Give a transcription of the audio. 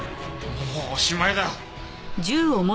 もうおしまいだ。